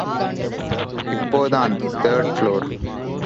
இப்போதான் third floor.